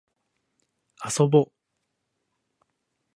遊ぼう